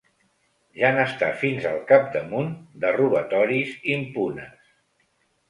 Ja n'està fins al capdamunt, de robatoris impunes.